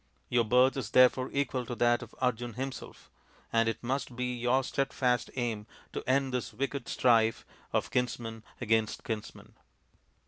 Your birth is therefore equal to that of Arjun himself, and it must be your steadfast aim to end this wicked strife of kinsman against kinsman."